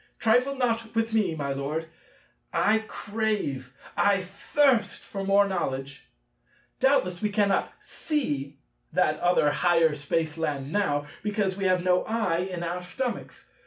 Trifle not with me, my Lord; I crave, I thirst, for more knowledge. Doubtless we cannot see that other higher Spaceland now, because we have no eye in our stomachs.